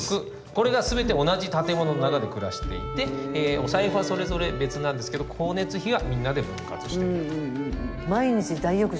これが全て同じ建物の中で暮らしていてお財布はそれぞれ別なんですけど光熱費はみんなで分割していると。